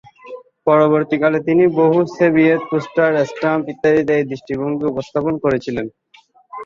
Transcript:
পরবর্তীকালে তিনি বহু সোভিয়েত পোস্টার, স্ট্যাম্প ইত্যাদিতে এই দৃষ্টিভঙ্গি উপস্থাপন করেছিলেন।